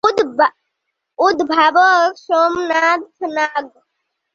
উদ্ভাবক সোমনাথ নাগ।